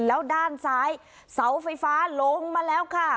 แล้วด้านซ้ายเสาไฟฟ้าลงมาแล้วค่ะ